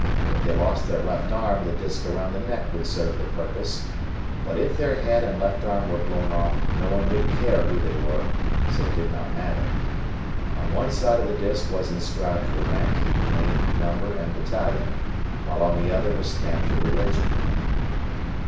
If they lost their left arm the disk around the neck would serve the purpose, but if their head and left arm were blown off, no one would care who they were, so it did not matter. On one side of the disk was inscribed your rank, name, number, and battalion, while on the other was stamped your religion.